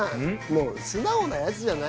素直なやつじゃない？